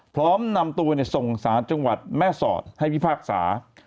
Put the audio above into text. พร้อมนำตัวส่งสารจังหวัดแม่สอดให้พิพากษา